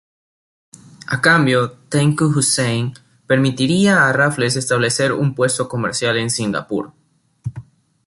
A cambio, Tengku Hussein permitiría a Raffles establecer un puesto comercial en Singapur.